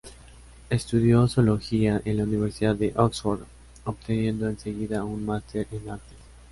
Estudió zoología en la Universidad de Oxford, obteniendo enseguida un máster en artes.